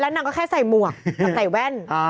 แล้วนางก็แค่ใส่หมวกใส่แว่น